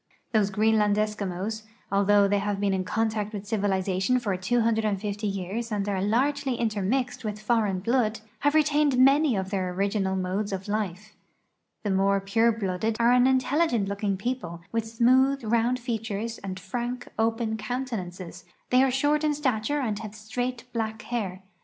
These Greenland Eskimos, although they have been in contact with civilization for 250 years and are largely intermixed with foreign blood, have retained many of their original modes of life The more pure blooded are an intelligent looking people, with smooth, round features and frank, open countenances ; they are short in stature and have straight, black hair.